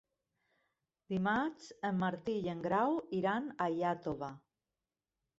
Dimarts en Martí i en Grau iran a Iàtova.